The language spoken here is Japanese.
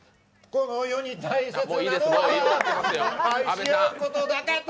この世に大切なのは愛し合うことだけと